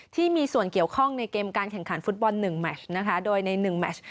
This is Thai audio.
ที่มีส่วนเกี่ยวข้องในเกมการแข่งขันฟุตบอล๑แมชนะคะโดยในหนึ่งแมช